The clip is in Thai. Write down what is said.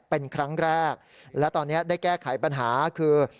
เป็นครั้งแรกและตอนนี้ได้แก้ไขปัญหาคือ